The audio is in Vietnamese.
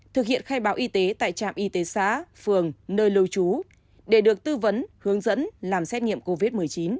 thực hiện khai báo y tế tại trạm y tế xã phường nơi lưu trú để được tư vấn hướng dẫn làm xét nghiệm covid một mươi chín